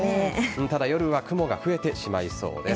ただ、夜は雲が増えてしまいそうです。